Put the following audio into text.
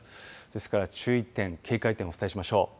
ですから注意点警戒点、お伝えしましょう。